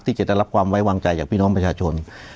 ที่จะได้รับความไว้วางใจจากพี่น้องประชาชน